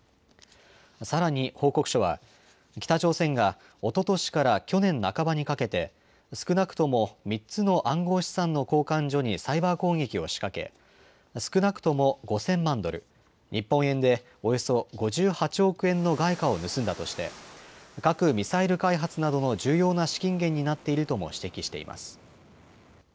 さらに、報告書は北朝鮮がおととしから去年半ばにかけて、少なくとも３つの暗号資産の交換所にサイバー攻撃を仕掛け、少なくとも５０００万ドル、日本円でおよそ５８億円の外貨を盗んだとして、核・ミサイル開発などの重要な資金源になっているとも指摘しています。